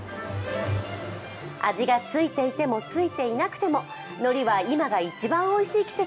味が付いていても付いていなくてものりは今が一番おいしい季節。